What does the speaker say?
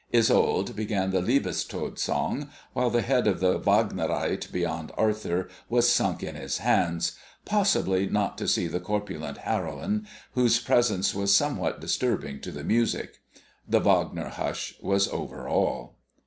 Isolde began the Liebestod song, while the head of the Vaaagnerite beyond Arthur was sunk in his hands, possibly not to see the corpulent heroine, whose presence was somewhat disturbing to the music. The Wagner hush was over all.